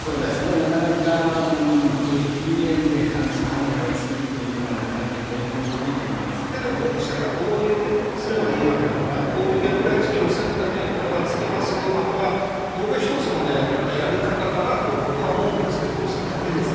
なかなか保育園で監視カメラを付けるというのは、なかなか抵抗大保護者が同意をすればいいわけだから、こういう虐待事件を防ぐために、これは付けますよ、これは僕は一つのね、やっぱりやり方かなと、僕は思うんですけど、小西さん、だめですか。